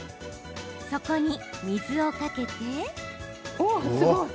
そこに水をかけて。